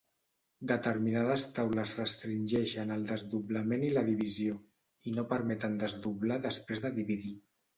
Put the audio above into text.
Determinades taules restringeixen el desdoblament i la divisió, i no permeten desdoblar després de dividir.